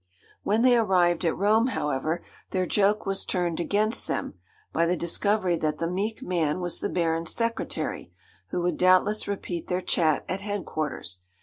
When they arrived at Rome, however, their joke was turned against them, by the discovery that the meek man was the Baron's secretary, who would doubtless repeat their chat at head quarters.